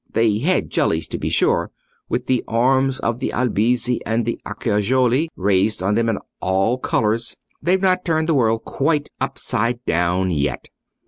They had jellies, to be sure, with the arms of the Albizzi and the Acciajoli raised on them in all colours; they've not turned the world quite upside down yet.